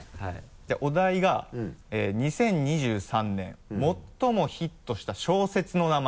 お題が２０２３年最もヒットした小説の名前。